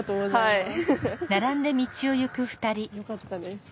はい。